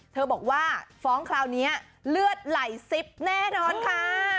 บอกว่าฟ้องคราวนี้เลือดไหลซิบแน่นอนค่ะ